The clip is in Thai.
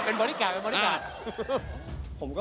กับพอรู้ดวงชะตาของเขาแล้วนะครับ